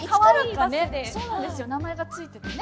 名前が付いててね